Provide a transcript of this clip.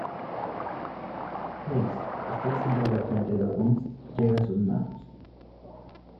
Hayes, que está sentado enfrente de Dunst llega a sus manos.